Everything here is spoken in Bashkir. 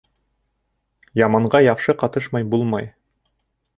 Яманға яҡшы ҡатышмай булмай.